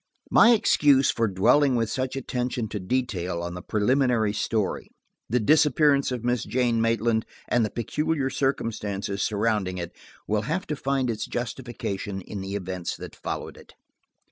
My excuse for dwelling with such attention to detail on the preliminary story, the disappearance of Miss Jane Maitland and the peculiar circumstances surrounding it, will have to find its justification in the events that followed it.